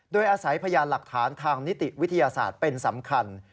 โดยอาศัยพยานหลักฐานทางนิติวิทยาศาสตร์เป็นสำคัญ